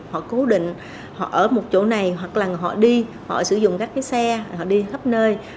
họ cố định họ ở một chỗ này hoặc là họ đi họ sử dụng các cái xe họ đi khắp nơi